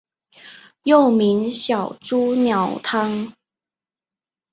又名小朱鸟汤。